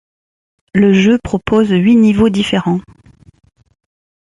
Le jeu propose huit niveaux différents.